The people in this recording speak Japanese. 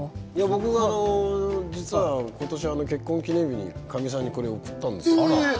今年は結婚記念日にかみさんにこれを送ったんです。